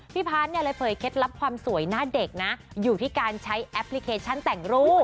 พาร์ทเนี่ยเลยเผยเคล็ดลับความสวยหน้าเด็กนะอยู่ที่การใช้แอปพลิเคชันแต่งรูป